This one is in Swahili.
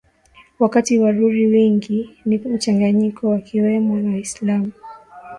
wakati Waruri wengi ni mchanganyiko wakiwemo na Waislamu